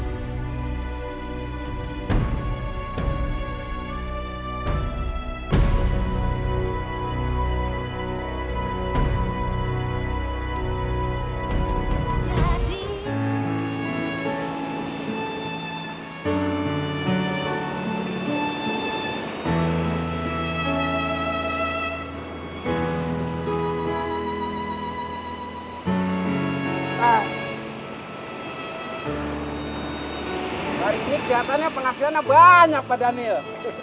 mas hari ini kelihatannya penghasilan banyak pak daniel